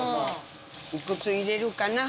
いくつ入れるかな。